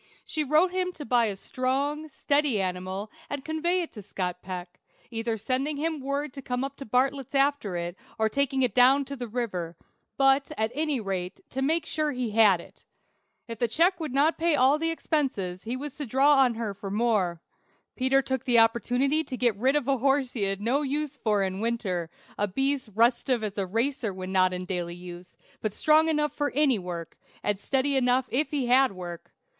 She wrote him to buy a strong, steady animal, and convey it to Scott Peck, either sending him word to come up to Bartlett's after it, or taking it down the river; but, at any rate, to make sure he had it. If the check would not pay all expenses, he was to draw on her for more. Peter took the opportunity to get rid of a horse he had no use for in winter; a beast restive as a racer when not in daily use, but strong enough for any work, and steady enough if he had work.